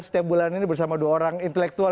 setiap bulan ini bersama dua orang intelektual